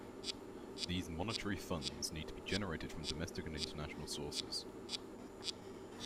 These monetary funds need to be generated from domestic and international sources.